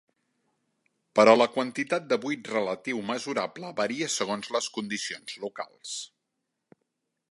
Però la quantitat de buit relatiu mesurable varia segons les condicions locals.